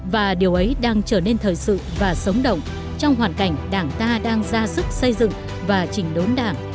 và điều ấy đang trở nên thời sự và sống động trong hoàn cảnh đảng ta đang ra sức xây dựng và chỉnh đốn đảng